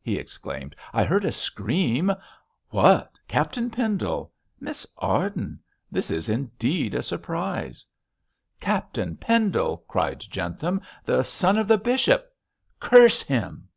he exclaimed. 'I heard a scream. What, Captain Pendle! Miss Arden! This is indeed a surprise.' 'Captain Pendle!' cried Jentham. 'The son of the bishop. Curse him!'